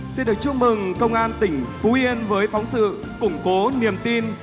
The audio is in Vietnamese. xin được chúc mừng công an tỉnh phú yên với phóng sự củng cố niềm tin